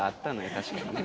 確かにね。